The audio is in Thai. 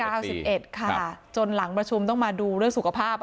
สิบเอ็ดค่ะจนหลังประชุมต้องมาดูเรื่องสุขภาพ